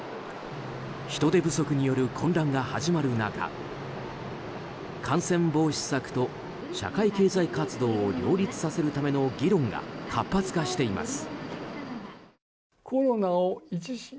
人手不足による混乱が始まる中感染防止策と社会経済活動を両立させるための議論が活発化しています。